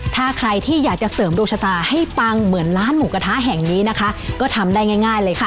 ถ้าใครที่อยากจะเสริมดวงชะตาให้ปังเหมือนร้านหมูกระทะแห่งนี้นะคะก็ทำได้ง่ายเลยค่ะ